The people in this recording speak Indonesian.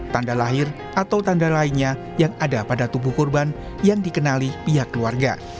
tanda lahir atau tanda lainnya yang ada pada tubuh korban yang dikenali pihak keluarga